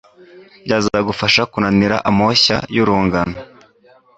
byazagufasha kunanira amoshya y urungano